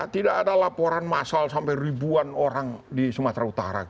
tidak ada laporan masal sampai ribuan orang di sumatera utara